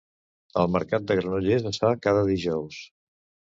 El mercat de Granollers es fa cada dijous